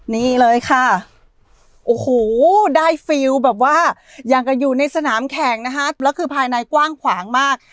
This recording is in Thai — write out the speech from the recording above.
นี่เลยค่ะโอ้โหได้ฟิลแบบว่าอย่างกับอยู่ในสนามแข่งนะคะแล้วคือภายในกว้างขวางมาก